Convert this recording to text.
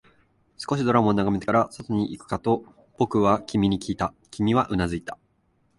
少しドラマを眺めてから、外に行くかと僕は君にきいた、君はうなずいた